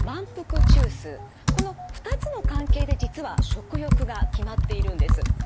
この２つの関係で実は食欲が決まっているんです。